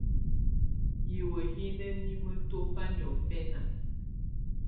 Hiwǝ́ hi ná nimǝ́ tɔ̀fá niɔ̀fɛná.